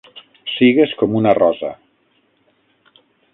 Sigues com una rosa!